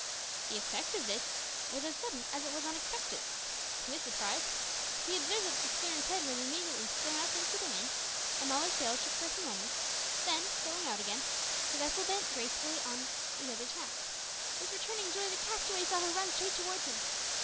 The effect of this was as sudden as it was unexpected. To his surprise he observed that the schooner's head was immediately thrown up into the wind, and all her sails shook for a few moments, then, filling out again, the vessel bent gracefully over on the other tack. With returning joy the castaway saw her run straight towards him.